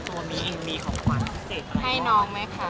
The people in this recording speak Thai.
ตัวมีอิงมีของความสำคัญ